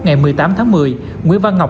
ngày một mươi tám tháng một mươi nguyễn văn ngọc